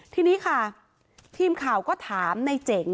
ทีนี้ค่ะทีมข่าวก็ถามในเจ๋ง